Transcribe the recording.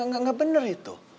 gak bener itu